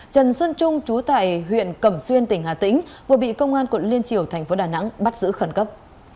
trần xuân trung chú tại huyện cẩm xuyên tỉnh hà tĩnh vừa bị công an tp hcm bắt giữ khẩn cấp